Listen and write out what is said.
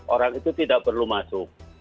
orang itu tidak perlu masuk